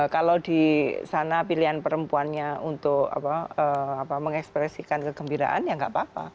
kalau di sana pilihan perempuannya untuk mengekspresikan kegembiraan ya nggak apa apa